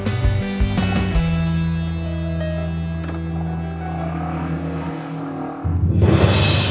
gak usah nge subscribe ya